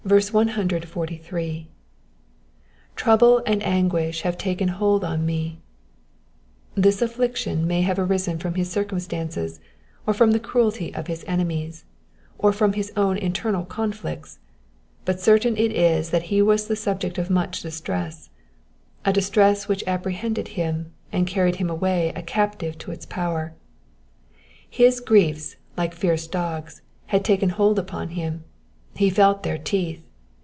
^^2'rotibU aiid anguish have taken hold on me,^'^ This affliction may have arisen from his circumstances, or from the craelty of his enemies, or fiom his own internal conflicts, but certain it is that he was the subject of much distress, a distress which apprehended hmi, and carried him away a captive to its power. His griefs, bke fierce dogs, had taken hold upon him ; he felt their teeth.